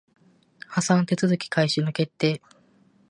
破産手続開始の決定